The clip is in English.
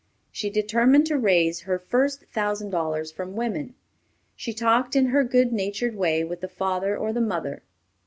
She determined to raise her first thousand dollars from women. She talked in her good natured way with the father or the mother.